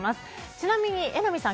ちなみに、榎並さん